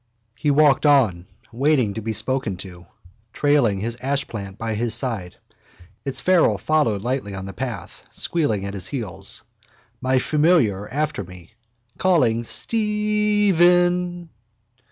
He walked on, waiting to be spoken to, trailing his ashplant by his side. Its ferrule followed lightly on the path, squealing at his heels. My familiar, after me, calling, Steeeeeeeeeeeephen!